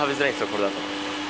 これだと。